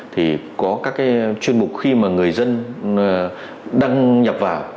thì có các cái chuyên mục khi mà người dân đăng nhập vào